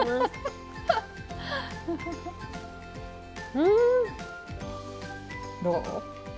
うん！どう？